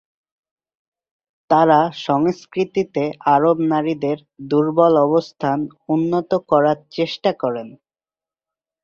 তারা সংস্কৃতিতে আরব নারীদের দুর্বল অবস্থান উন্নত করার চেষ্টা করেন।